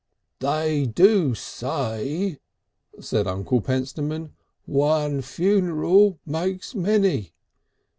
"They do say," said Uncle Pentstemon, "one funeral makes many.